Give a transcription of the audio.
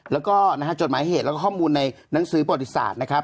แล้วก็นะฮะจดหมายเหตุแล้วก็ข้อมูลในหนังสือประวัติศาสตร์นะครับ